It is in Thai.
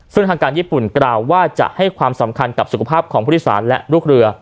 ซึ่งทางการญี่ปุ่นกล่าวว่าจะให้ความสำคัญกับสุขภาพของผู้โดยสารและลูกเรือ